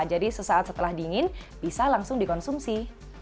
jadi sesaat setelah dingin bisa langsung dikonsumsi